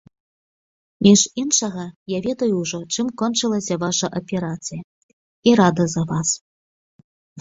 Між іншага, я ведаю ўжо, чым кончылася ваша аперацыя, і рада за вас.